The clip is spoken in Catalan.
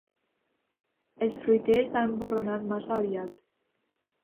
Els fruiters han borronat massa aviat.